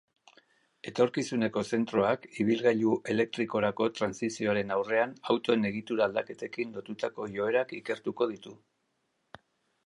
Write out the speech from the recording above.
Etorkizuneko zentroak ibilgailu elektrikorako trantsizioaren aurrean autoen egitura-aldaketekin lotutako joerak ikertuko ditu.